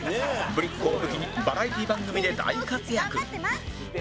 ぶりっ子を武器にバラエティー番組で大活躍